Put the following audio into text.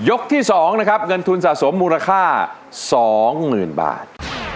ที่๒นะครับเงินทุนสะสมมูลค่า๒๐๐๐บาท